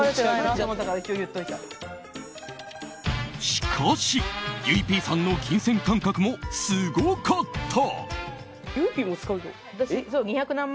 しかし、ゆいＰさんの金銭感覚もすごかった。